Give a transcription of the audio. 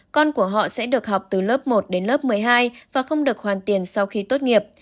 con của họ sẽ được học từ lớp một đến lớp một mươi hai và không được hoàn tiền sau khi tốt nghiệp